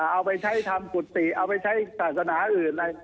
เอาไปใช้ทำกุฏิเอาไปใช้ศาสนาอื่นอะไร